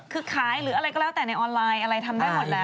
คือขายหรืออะไรก็แล้วแต่ในออนไลน์อะไรทำได้หมดแล้ว